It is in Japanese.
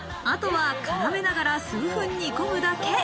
あとは、絡めながら数分煮込むだけ。